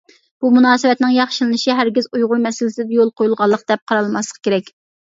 بۇ مۇناسىۋەتنىڭ ياخشىلىنىشى ھەرگىز ئۇيغۇر مەسىلىسىدە يول قويۇلغانلىق دەپ قارالماسلىقى كېرەك.